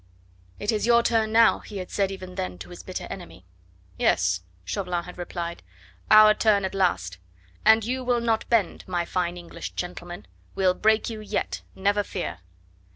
"It is your turn now," he had said even then to his bitter enemy. "Yes!" Chauvelin had replied, "our turn at last. And you will not bend my fine English gentleman, we'll break you yet, never fear."